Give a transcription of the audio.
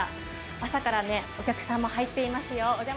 朝からお客さんも入っていますよ。